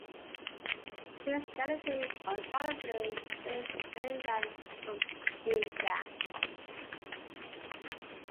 His gallantry undoubtedly saved many men from being gassed.